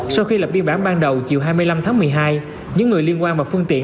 sau khi lập biên bản ban đầu chiều hai mươi năm tháng một mươi hai những người liên quan vào phương tiện